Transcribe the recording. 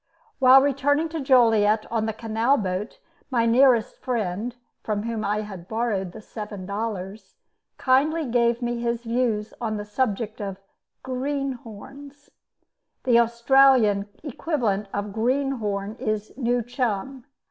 While returning to Joliet on the canal boat my nearest friend, from whom I had borrowed the seven dollars, kindly gave me his views on the subject of "greenhorns." (The Australian equivalent of "greenhorn" is "new chum."